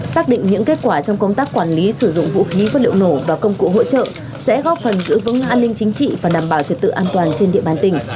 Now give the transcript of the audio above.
xác định những kết quả trong công tác quản lý sử dụng vũ khí vật liệu nổ và công cụ hỗ trợ sẽ góp phần giữ vững an ninh chính trị và đảm bảo trật tự an toàn trên địa bàn tỉnh